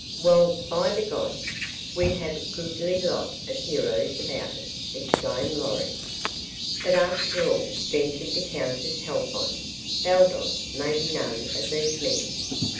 "Well, by the gods, we have a goodly lot of heroes about us," exclaimed Lorry. "But, after all," ventured the Countess Halfont, "Baldos may be none of these men."